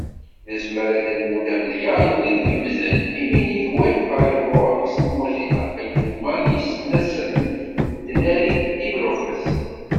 Nezmer ad d-nmudd amedya n wid yemmden: Iminig Web Firefox n Mozilla, tagrumma n yisnasen n tnarit LibreOffice.